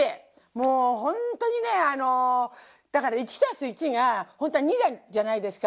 もう本当にねあのだから１足す１が本当は２じゃないですか。